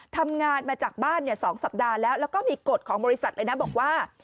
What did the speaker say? ทำงานมาจากบ้าน๒สัปดาห์แล้วแล้วก็มีกฎของบริษัทเลยนะบอกว่า